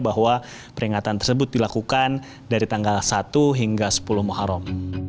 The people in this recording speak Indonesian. bahwa peringatan tersebut dilakukan dari tanggal satu hingga sepuluh muharram